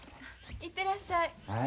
行ってらっしゃい。